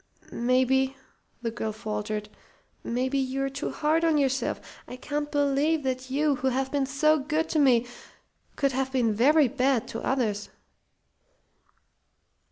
"Maybe," the girl faltered, "maybe you're too hard on yourself. I can't believe that you, who have been so good to me, could have been very bad to others."